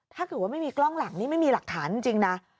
ถ้าเกิดว่าไม่มีกล้องหลังนี่ไม่มีหลักฐานจริงนะ